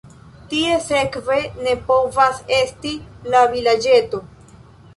Tie sekve ne povas esti la vilaĝeto.